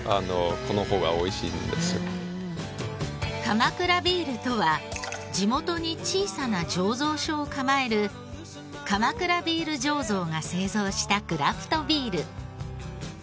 鎌倉ビールとは地元に小さな醸造所を構える鎌倉ビール醸造が製造したクラフトビール。